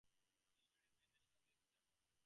The story made national news in Japan.